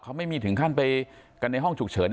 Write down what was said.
เขาไม่มีถึงขั้นไปกันในห้องฉุกเฉิน